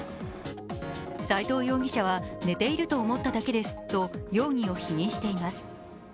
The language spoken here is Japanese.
斉藤容疑者は、寝ていると思っただけですと容疑を否認しています。